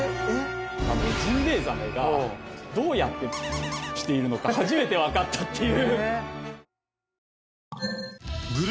ジンベエザメがどうやってしているのか初めて分かったっていう。